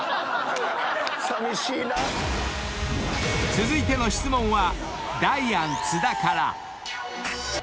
［続いての質問は］